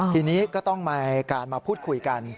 ทีนี้ก็ต้องมีการมาพูดคุยกัน